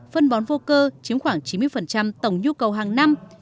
phân bón vô cơ chiếm khoảng chín mươi tổng nhu cầu hàng năm